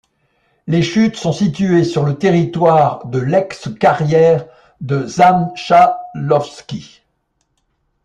Les chutes sont situées sur le territoire de l'ex-carrière de Zamtchalovski.